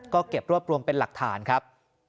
ก็เก็บรวบรวมเป็นหลักฐานครับ